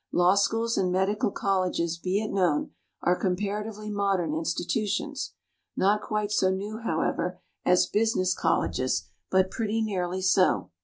Law schools and medical colleges, be it known, are comparatively modern institutions not quite so new, however, as business colleges, but pretty nearly so.